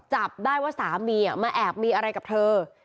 จับได้ว่าสามีมาแอบมีอะไรกับเธอ